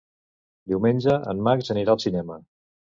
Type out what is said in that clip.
Diumenge en Max anirà al cinema.